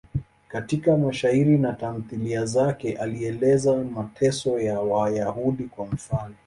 Katika mashairi na tamthiliya zake alieleza mateso ya Wayahudi, kwa mfano.